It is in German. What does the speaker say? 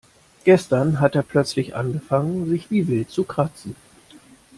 Gestern hat er plötzlich angefangen sich wie wild zu kratzen.